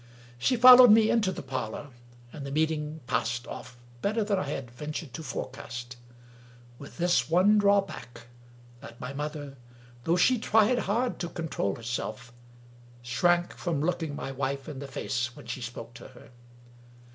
She followed me into the parlor, and the meeting passed off better than I had ventured to forecast; with this one drawback, that my mother — though she tried hard to con trol herself — shrank from looking my wife in the face when she spoke to her.